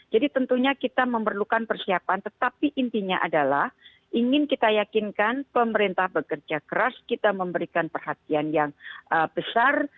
jadi tentunya kita memerlukan persiapan tetapi intinya adalah ingin kita yakinkan pemerintah bekerja keras kita memberikan perhatian yang besar